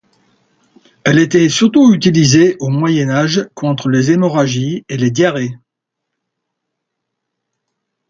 Elle était surtout utilisée au Moyen-Age contre les hémorragies et les diarrhées.